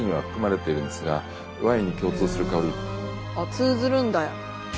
通ずるんだ。